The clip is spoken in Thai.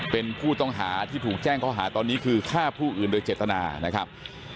เป็นผู้ต้องหาที่ถูกแจ้งข้อหาตอนนี้คือฆ่าผู้อื่นโดยเจตนานะครับ